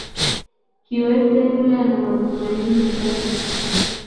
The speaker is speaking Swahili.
Kiwete yule ana matumaini sana